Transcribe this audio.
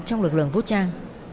trong lực lượng vũ trang